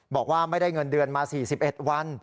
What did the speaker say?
บอกว่าไม่ได้เงินเดือนมา๔๑วัน